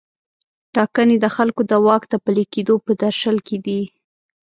ټاکنې د خلکو د واک د پلي کیدو په درشل کې دي.